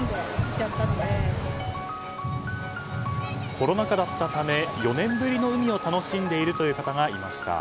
コロナ禍だったため４年ぶりの海を楽しんでいるという方がいました。